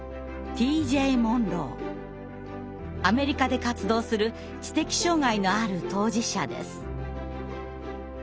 アメリカで活動する知的障害のある当事者です。